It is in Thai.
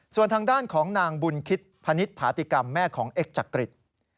ส่วนทางด้านของนางบุญคิดพนิษฐาติกรรมแม่ของเอ็กจักริต